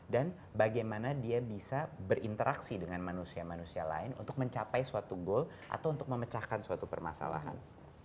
dan bagaimana dia bisa berinteraksi dengan manusia manusia lain untuk mencapai suatu goal atau untuk memecahkan suatu permasalahan